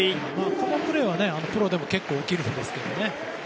このプレーはプロでも結構起きるんですけどね。